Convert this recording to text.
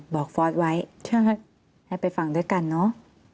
ฟอร์สไว้ให้ไปฟังด้วยกันเนอะ